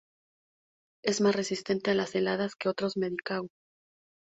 Es más resistente a las heladas que otras medicago.